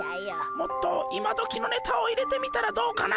もっと今どきのネタを入れてみたらどうかな。